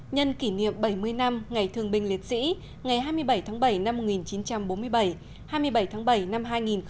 nhân kỷ niệm bảy mươi năm ngày thương binh liệt sĩ ngày hai mươi bảy tháng bảy năm một nghìn chín trăm bốn mươi bảy hai mươi bảy tháng bảy năm hai nghìn một mươi chín